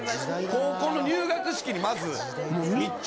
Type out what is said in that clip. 高校の入学式にまず密着。